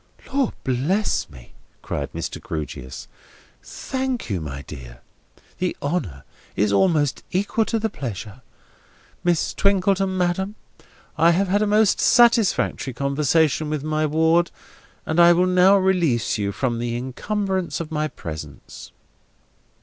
"Lord bless me!" cried Mr. Grewgious. "Thank you, my dear! The honour is almost equal to the pleasure. Miss Twinkleton, madam, I have had a most satisfactory conversation with my ward, and I will now release you from the incumbrance of my presence."